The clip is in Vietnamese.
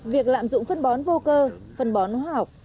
việc lạm dụng phân bón vô cơ phân bón hóa học